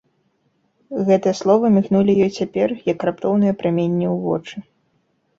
Гэтыя словы мігнулі ёй цяпер, як раптоўныя праменні ў вочы.